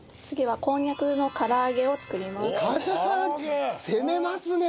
次はこんにゃくの唐揚げを作ります。